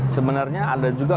sebenarnya ada juga